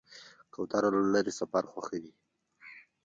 کوتره له لرې سفر خوښوي.